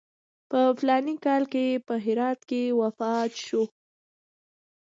په فلاني کال کې په هرات کې وفات شو.